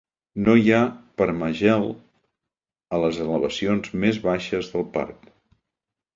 No hi ha permagel a les elevacions més baixes del parc.